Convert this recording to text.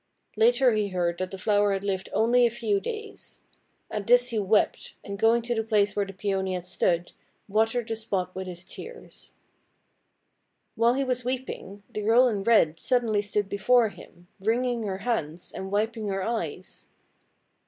Later he heard that the flower had lived only a few days. At this he wept, and, going to the place where the Peony had stood, watered the spot with his tears. While he was weeping, the girl in red suddenly stood before him, wringing her hands, and wiping her eyes.